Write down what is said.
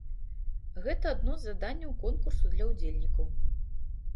Гэта адно з заданняў конкурсу для ўдзельнікаў.